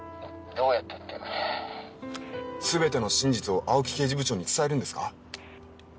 全ての真実を青木刑事部長に伝えるんですか？